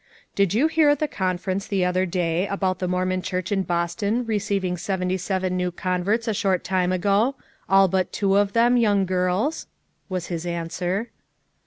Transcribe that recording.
"Did you hear at the conference the other day about the Mormon church in Boston receiv ing seventy seven new converts a short time ago, all but two of them young girls? " was his answer.